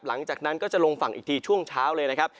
หลังจากนั้นก็จะลงฝั่งอีกทีช่วงเช้าเลยนะครับ